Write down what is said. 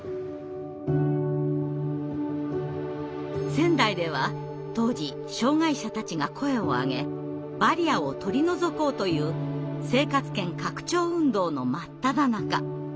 仙台では当時障害者たちが声を上げバリアを取り除こうという生活圏拡張運動の真っただ中。